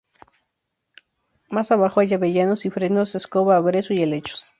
Más abajo hay avellanos y fresnos, escoba, brezo y helechos.